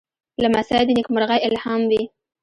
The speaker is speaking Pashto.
لمسی د نېکمرغۍ الهام وي.